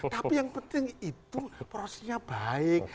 tapi yang penting itu prosesnya baik